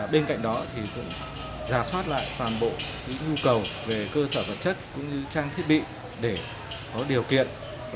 bên cạnh đó thì cũng giả soát lại toàn bộ những nhu cầu về cơ sở vật chất cũng như trang thiết bị để có điều kiện